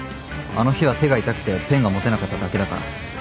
あの日は手が痛くてペンが持てなかっただけだから。